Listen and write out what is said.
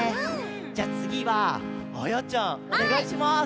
じゃあつぎはあやちゃんおねがいします。